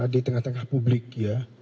di tengah tengah publik ya